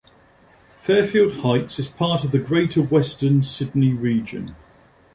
Fairfield Heights is part of the Greater Western Sydney region.